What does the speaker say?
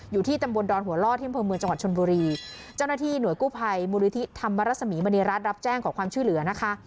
อยู่ที่ตำบลดอนหัวล่อที่อำเภอเมืองจังหวัดชนบุรีเจ้าหน้าที่หน่วยกู้ภัยมูลนิธิธรรมรสมีมณีรัฐรับแจ้งขอความช่วยเหลือนะคะ